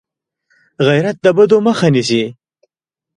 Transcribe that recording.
غیرت د بدو مخه نیسي